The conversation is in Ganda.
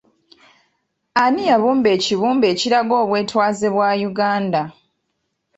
Ani yabumba ekibumbe ekiraga obwetwaze bwa Uganda?